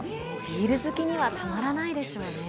ビール好きにはたまらないでしょうね。